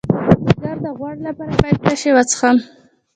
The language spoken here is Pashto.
د ځیګر د غوړ لپاره باید څه شی وڅښم؟